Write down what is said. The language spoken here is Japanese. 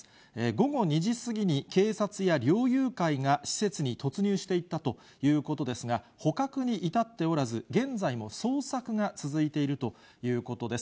午後２時過ぎに、警察や猟友会が施設に突入していったということですが、捕獲に至っておらず、現在も捜索が続いているということです。